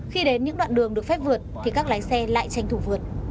khi đến những đoạn đường được phép vượt thì các lái xe lại tranh thủ vượt